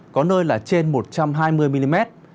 có nơi là trên một trăm hai mươi mm